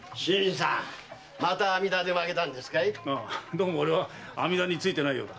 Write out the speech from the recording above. どうも俺はアミダについてないようだ。